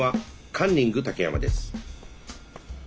カンニング竹山です。